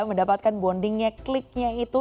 mendapatkan bondingnya kliknya itu